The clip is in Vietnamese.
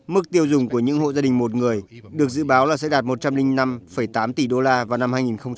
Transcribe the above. mức tiêu dùng của những hộ gia đình một người được dự báo là sẽ đạt một trăm linh năm tám tỷ đô la vào năm hai nghìn hai mươi